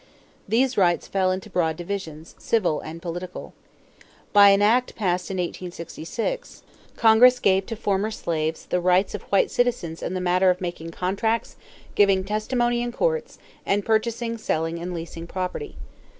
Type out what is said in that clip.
These rights fell into broad divisions, civil and political. By an act passed in 1866, Congress gave to former slaves the rights of white citizens in the matter of making contracts, giving testimony in courts, and purchasing, selling, and leasing property.